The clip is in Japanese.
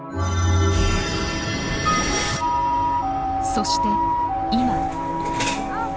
そして今。